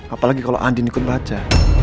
apalagi kalau andin ikut baca